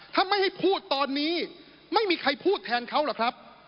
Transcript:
ถ้าไม่ให้พูดตอนนี้ไม่มีใครพูดแทนเขาหรอกครับ